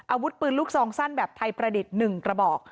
อาวุธปืนลูกซองสั้นแบบไทยประดิษฐ์๑กระบอก